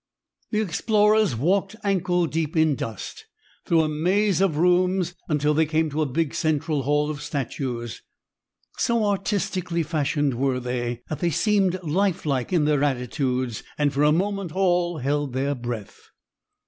The explorers walked ankle deep in dust through a maze of rooms until they came to a big central hall of statues. So artistically fashioned were they that they seemed lifelike in their attitudes, and for a moment all held their breath.